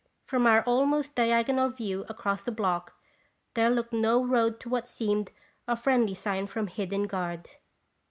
From our almost diagonal view across the block there looked no road to what seemed a friendly sign from hid den guard.